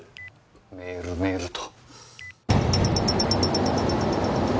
メールメールと。